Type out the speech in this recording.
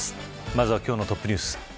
まずは今日のトップニュース。